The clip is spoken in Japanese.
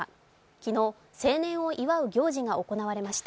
昨日、成年を祝う行事が行われました。